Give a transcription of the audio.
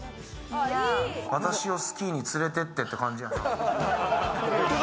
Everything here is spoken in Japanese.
「私をスキーにつれてって」って感じ。